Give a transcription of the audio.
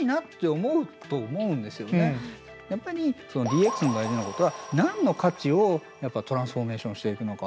やっぱりＤＸの大事なことは何の価値をトランスフォーメーションしていくのか。